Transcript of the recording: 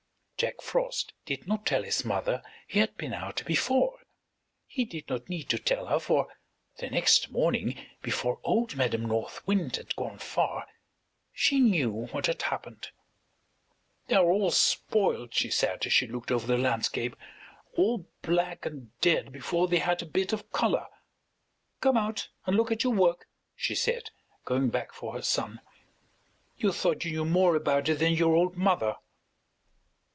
Jack Frost did not tell his mother he had been out before. He did not need to tell her, for the next morning before old Madam North Wind had gone far she knew what had happened. "They are all spoiled," she said as she looked over the landscape; "all black and dead before they had a bit of color." "Come out and look at your work," she said, going back for her son. "You thought you knew more about it than your old mother."